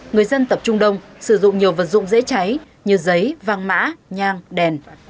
người dân tập trung đông sử dụng nhiều vật dụng dễ cháy như giấy vang mã nhang đèn